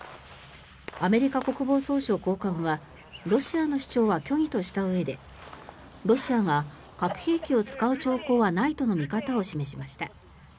アメリカ国防総省高官はロシアの主張は虚偽としたうえでロシアが核兵器を使う兆候はないとの見方を示しました。